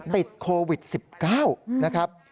ติดโควิด๑๙นะครับ